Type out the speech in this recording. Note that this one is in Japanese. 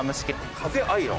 風アイロン。